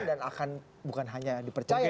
dan akan bukan hanya dipercaya